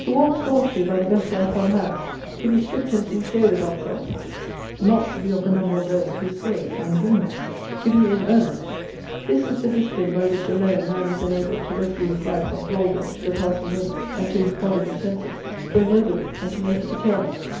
To walk staunchly by the best light one has, to be strict and sincere with oneself, not to be of the number of those who say and do not, to be in earnest, this is the discipline by which alone man is enabled to rescue his life from thraldom to the passing moment and to his bodily senses, to ennoble it, and to make it eternal.